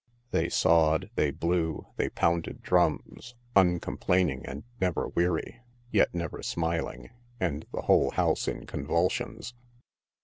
They sawed, they blew, they pounded drums, uncomplaining and never weary, yet never smiling, and the whole house in convulsions.